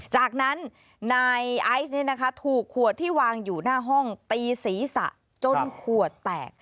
จากนั้นนายไอซ์ถูกขวดที่วางอยู่หน้าห้องตีศีรษะจนขวดแตก